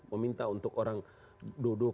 meminta untuk orang duduk